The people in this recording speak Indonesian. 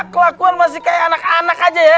kelakuan masih kayak anak anak aja ya